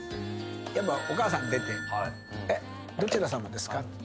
やっぱお母さん出て「えっどちらさまですか？」